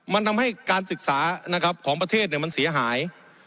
มันทำให้การศึกษานะครับของประเทศเนี่ยมันเสียหาย